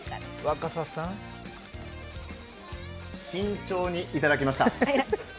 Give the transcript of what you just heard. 慎重にいただきました。